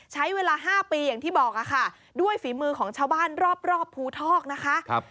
ใช้เวลา๕ปีอย่างที่บอกค่ะด้วยฝีมือของชาวบ้านรอบภูทอกนะคะ